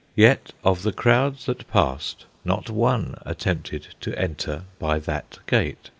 Yet of the crowds that passed, not one attempted to enter by that gate.